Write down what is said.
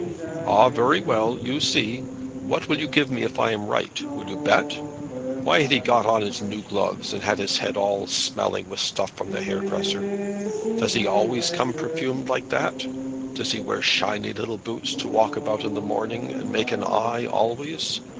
"Ah; very well. You see. What will you give me if I am right? Will you bet? Why had he got on his new gloves, and had his head all smelling with stuff from de hairdresser? Does he come always perfumed like that? Does he wear shiny little boots to walk about in de morning, and make an eye always?